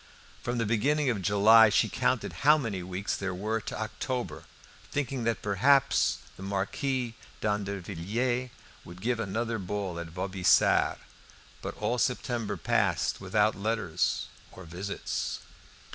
From the beginning of July she counted how many weeks there were to October, thinking that perhaps the Marquis d'Andervilliers would give another ball at Vaubyessard. But all September passed without letters or visits.